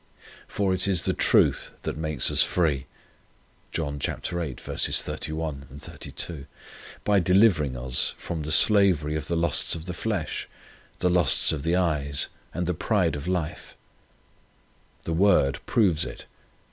For it is the truth that makes us free, (John viii. 31, 32,) by delivering us from the slavery of the lusts of the flesh, the lusts of the eyes, and the pride of life. The Word proves it.